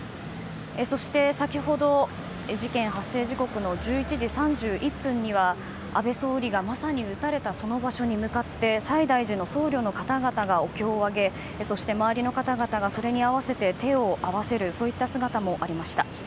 そして先ほど事件発生時刻の１１時３１分には安倍総理がまさに撃たれたその場所に向かって西大寺の僧侶の方々がお経を上げ周りの方々がそれに合わせて手を合わせる姿もありました。